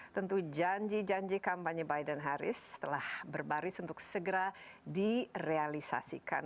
tentu janji janji kampanye biden harris telah berbaris untuk segera direalisasikan